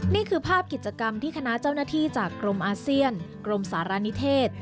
นี่คือภาพกิจกรรมที่คณะเจ้าหน้าที่จากกรมอาเซียนกรมสารณิเทศ